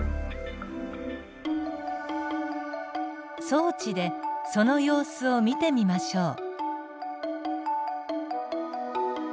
装置でその様子を見てみましょう。